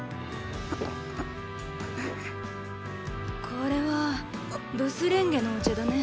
これはブスレンゲのお茶だね。